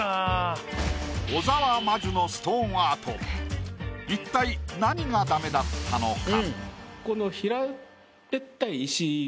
小沢真珠のストーンアート一体何がダメだったのか？